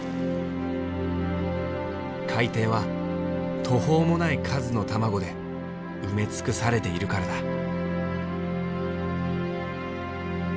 海底は途方もない数の卵で埋め尽くされているからだ。